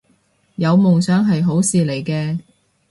有夢想係好事嚟嘅